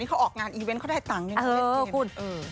นี่เขาออกงานอีเวนต์เขาได้ตังค์นึง